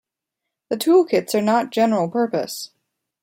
The toolkits are not general purpose.